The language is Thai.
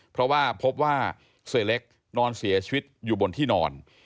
เพราะว่าพบว่าเสียเล็กนอนเสียชีวิตอยู่บนที่นอน